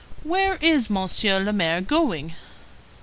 Where is Monsieur le Maire going?"